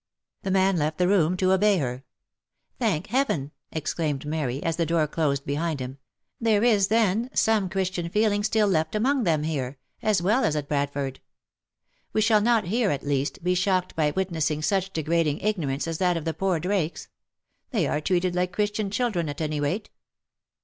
The man left the room to obey her. «' Thank Heaven !" exclaimed Mary, as the door closed behind him, u there is, then, some Christian feeling still left among them here, as well as at Bradford. We shall not here, at least, be shocked by witness ing such degrading ignorance as that of the poor Drakes. — They are treated like Christian children, at any rate."